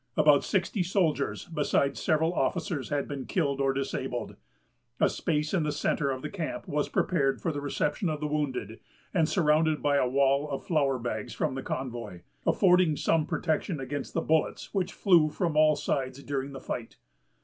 About sixty soldiers, besides several officers, had been killed or disabled. A space in the centre of the camp was prepared for the reception of the wounded, and surrounded by a wall of flour bags from the convoy, affording some protection against the bullets which flew from all sides during the fight.